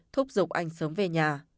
thúc giục anh sớm về nhà